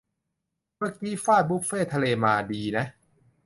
เมื่อกี้ฟาดบุฟเฟต์ทะเลมา ดีนะ